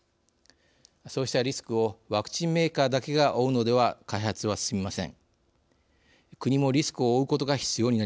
そうしたリスクをワクチンメーカーだけが負うのでは開発は進みません。